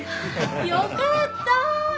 よかった。